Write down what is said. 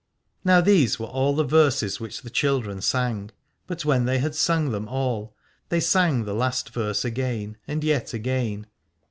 Now these were all the verses which the children sang, but when they had sung them all, then they sang the last verse again and yet again.